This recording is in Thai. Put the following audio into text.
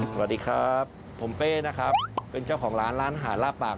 สวัสดีครับผมเป้นะครับเป็นเจ้าของร้านร้านอาหารลาบปาก